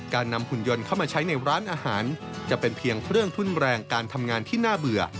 การนำหุ่นยนต์เข้ามาใช้ในร้านอาหารจะเป็นเพียงเครื่องทุ่นแรงการทำงานที่น่าเบื่อ